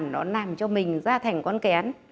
nó làm cho mình ra thành con kén